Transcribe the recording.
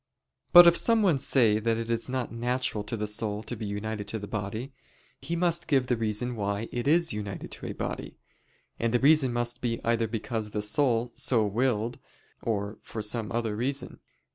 But if someone say that it is not natural to the soul to be united to the body, he must give the reason why it is united to a body. And the reason must be either because the soul so willed, or for some other reason.